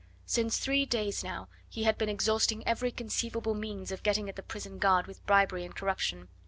Since three days now he had been exhausting every conceivable means of getting at the prison guard with bribery and corruption.